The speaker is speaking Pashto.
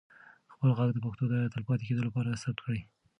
خپل ږغ د پښتو د تلپاتې کېدو لپاره ثبت کړئ.